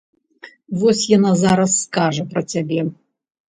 Вось яна зараз скажа пра цябе!